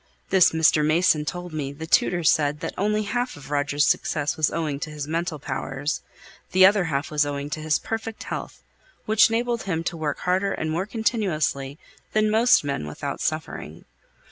This Mr. Mason told me the tutor said that only half of Roger's success was owing to his mental powers; the other half was owing to his perfect health, which enabled him to work harder and more continuously than most men without suffering.